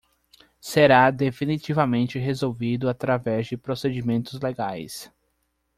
Será definitivamente resolvido através de procedimentos legais